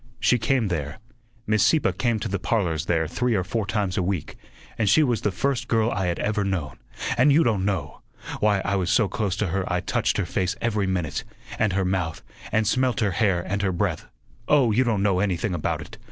She came there Miss Sieppe came to the parlors there three or four times a week, and she was the first girl I had ever known, and you don' know! Why, I was so close to her I touched her face every minute, and her mouth, and smelt her hair and her breath oh, you don't know anything about it.